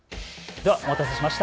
ではお待たせしました